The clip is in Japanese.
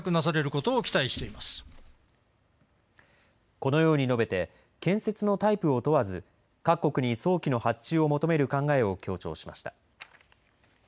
このように述べて建設のタイプを問わず各国に早期の発注を求める考えを強調しました。